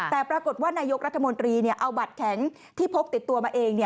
แต่ปรากฏว่านายกรัฐมนตรีเอาบัตรแข็งที่พกติดตัวมาเอง